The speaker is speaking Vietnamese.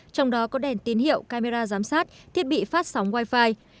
trong đó có đèn tín hiệu camera giám sát thiết bị phát sóng wi fi